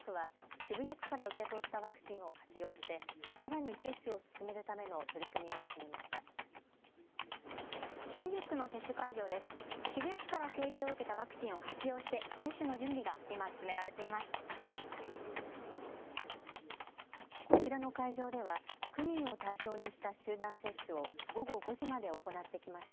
渋谷区から提供を受けたワクチンを活用して接種の準備が今、進められています。